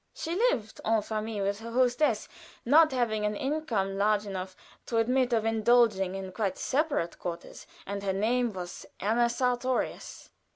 She lived en famille with her hostess, not having an income large enough to admit of indulging in quite separate quarters, and her name was Anna Sartorius.